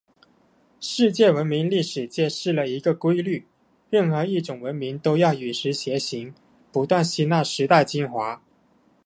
世界文明历史揭示了一个规律：任何一种文明都要与时偕行，不断吸纳时代精华。